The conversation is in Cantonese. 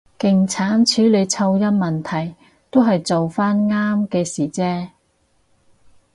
勁慘處理噪音問題，都係做返啱嘅事啫